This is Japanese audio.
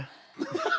ハハハ！